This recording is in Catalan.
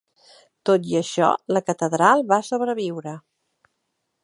Tot i això, la catedral va sobreviure.